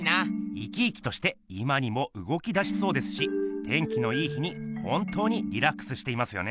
生き生きとして今にもうごきだしそうですし天気のいい日に本当にリラックスしていますよね。